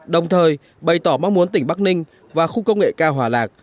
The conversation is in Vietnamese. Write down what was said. đồng thời bày tỏ mong muốn tỉnh bắc ninh và khu công nghệ cao hòa lạc